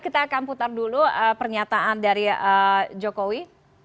kita akan putar dulu pernyataan dari jokowi